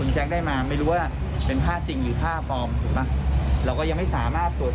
ใช่ไม่นี่คือพิเศษแรกต้องมีแล้ว